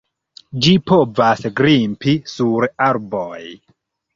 Ĝi povas grimpi sur arboj.